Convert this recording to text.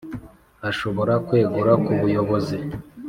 ashobora kwegura kubuyobozi